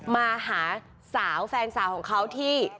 มาหาสาวแฟนสาวของเขาที่